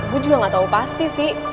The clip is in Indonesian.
gue juga nggak tau pasti